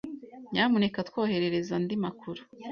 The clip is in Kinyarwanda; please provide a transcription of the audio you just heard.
Nyamuneka twohereze andi makuru.